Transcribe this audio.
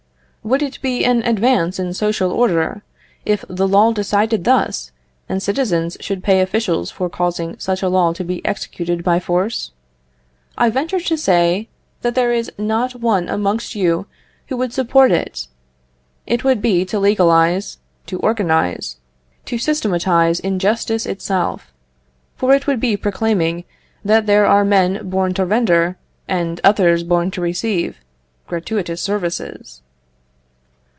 Would it be an advance in social order, if the law decided thus, and citizens should pay officials for causing such a law to be executed by force? I venture to say, that there is not one amongst you who would support it. It would be to legalize, to organize, to systematize injustice itself, for it would be proclaiming that there are men born to render, and others born to receive, gratuitous services.